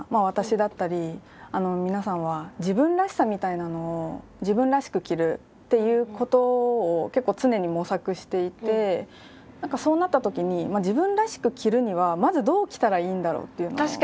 私だったり皆さんは自分らしさみたいなのを自分らしく着るっていうことを結構常に模索していてそうなった時に自分らしく着るにはまずどう着たらいいんだろうっていうのを。